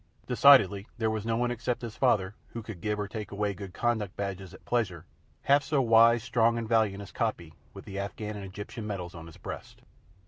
Decidedly, there was no one except his father, who could give or take away good conduct badges at pleasure, half so wise, strong, and valiant as Coppy with the Afghan and Egyptian medals on his breast.